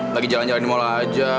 lagi jalan jalan di mall aja